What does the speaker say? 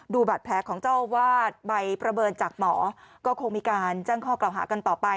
บาดแผลของเจ้าวาดใบประเมินจากหมอก็คงมีการแจ้งข้อกล่าวหากันต่อไป